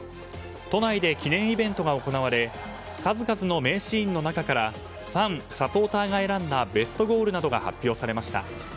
都内で記念イベントが行われ数々の名シーンの中からファン、サポーターが選んだベストゴールなどが発表されました。